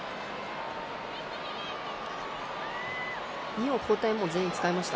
日本交代全員、使いました？